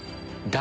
誰？